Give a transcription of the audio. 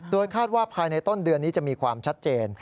คาดว่าภายในต้นเดือนนี้จะมีความชัดเจน